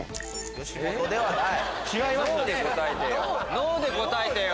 「ＮＯ」で答えてよ！